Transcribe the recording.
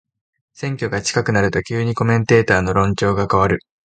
選挙が近くなると急にコメンテーターの論調が変わる